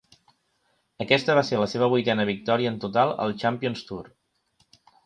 Aquesta va ser la seva vuitena victòria en total al Champions Tour.